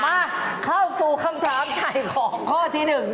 มาเข้าสู่คำถามถ่ายของข้อที่๑